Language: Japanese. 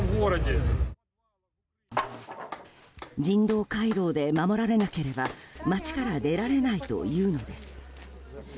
人道回廊で守られなければ街から出られないというのです。